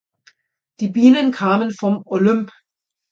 Die Bienen kamen vom Olymp.